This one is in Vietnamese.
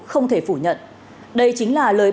không thể phủ nhận đây chính là lời